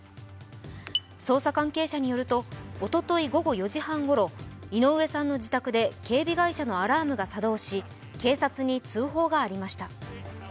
捜査関係者によると、おととい午後４時半ごろ、井上さんの自宅で警備会社のアラームが作動し、警察に通報がありました。